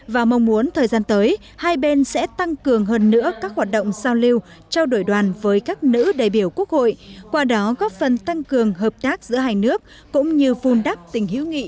và mong muốn thời gian tới hai bên sẽ tăng cường hơn nữa các hoạt động giao lưu trao đổi đoàn với các nữ đại biểu quốc hội qua đó góp phần tăng cường hợp tác giữa hai nước cũng như vun đắp tình hiểu nghị